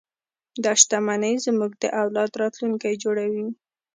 دا شتمنۍ زموږ د اولاد راتلونکی جوړوي.